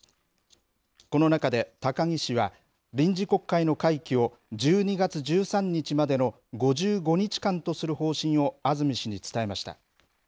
この中で高木氏は、臨時国会の会期を１２月１３日までの５５日間とする方針を安住氏に伝えました。